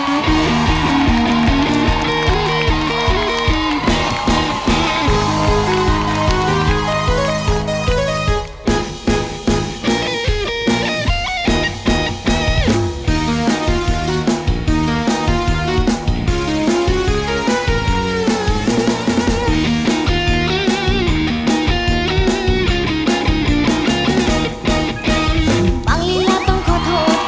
บางลีลาต้องขอโทษ